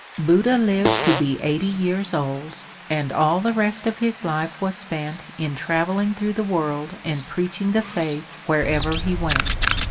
Buddha lived to be eighty years old and all the rest of his life was spent in traveling through the world and preaching the faith wherever he went.